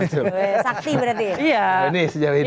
sakti berarti iya